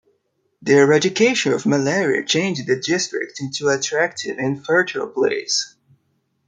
The eradication of malaria changed the district into an attractive and fertile place.